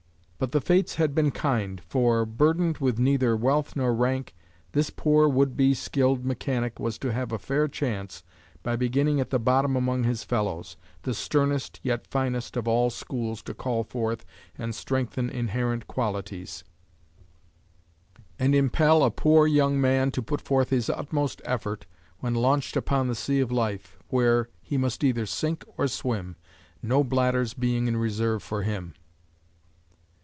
But the fates had been kind for, burdened with neither wealth nor rank, this poor would be skilled mechanic was to have a fair chance by beginning at the bottom among his fellows, the sternest yet finest of all schools to call forth and strengthen inherent qualities, and impel a poor young man to put forth his utmost effort when launched upon the sea of life, where he must either sink or swim, no bladders being in reserve for him.